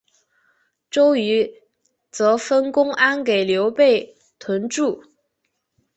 周瑜则分公安给刘备屯驻。